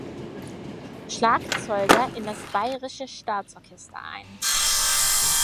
Schlagzeuger in das Bayerische Staatsorchester ein.